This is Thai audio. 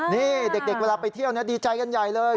นี่เด็กเวลาไปเที่ยวดีใจกันใหญ่เลย